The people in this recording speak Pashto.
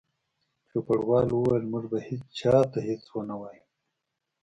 چوپړوال وویل: موږ به هیڅ چا ته هیڅ ونه وایو.